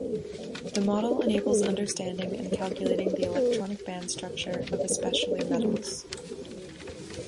The model enables understanding and calculating the electronic band structure of especially metals.